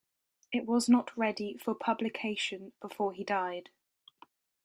It was not ready for publication before he died.